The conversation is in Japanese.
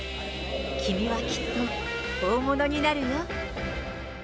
君はきっと大物になるよ。